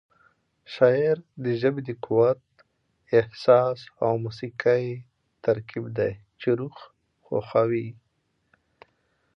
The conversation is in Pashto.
شاعري د ژبې د قوت، احساس او موسيقۍ ترکیب دی چې روح خوښوي.